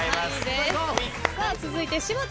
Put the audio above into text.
続いて柴田さん。